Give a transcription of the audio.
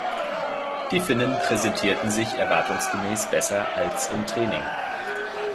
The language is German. Die Finnen präsentierten sich erwartungsgemäß besser als im Training.